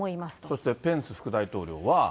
そしてペンス副大統領は。